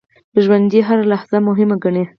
ژوندي هره لحظه مهمه ګڼي